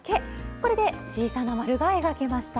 これで小さな丸が描けました。